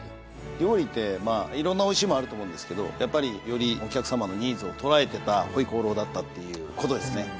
料理ってまあ色んなおいしいもんあると思うんですけどやっぱりよりお客様のニーズを捉えてた回鍋肉だったっていうことですね。